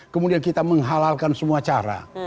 kemudian kita menghalalkan semua cara